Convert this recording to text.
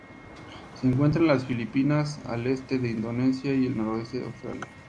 Se encuentra en las Filipinas, al este de Indonesia y el noroeste de Australia.